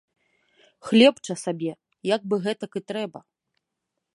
Хлебча сабе, як бы гэтак і трэба.